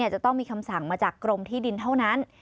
จะต้องมีคำสั่งมาจากกรมที่ดินเท่านั้น